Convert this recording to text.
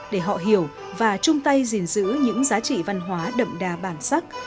để họ hiểu và chung tay gìn giữ những giá trị văn hóa đậm đà bản sắc